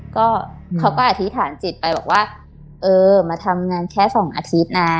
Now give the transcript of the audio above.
ก็เขาก็อธิษฐานจิตไปบอกว่าเออมาทำงานแค่สองอาทิตย์นะ